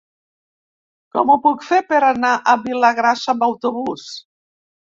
Com ho puc fer per anar a Vilagrassa amb autobús?